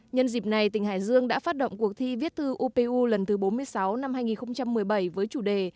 nhân dịp này tỉnh hải dương đã phát động cuộc thi viết thư upu lần thứ bốn mươi sáu năm hai nghìn một mươi bảy với chủ đề